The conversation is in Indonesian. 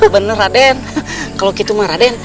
bener raden kalau gitu mah raden